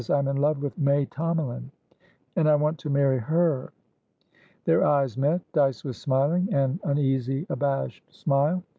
I am in love with May Tomalin, and I want to marry her." Their eyes met, Dyce was smiling, an uneasy, abashed smile.